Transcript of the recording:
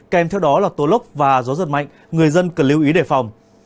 kèm theo đó là tố lốc và gió giật mạnh người dân cần lưu ý đề phòng